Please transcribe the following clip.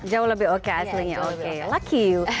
jauh lebih oke aslinya oke lucky yuk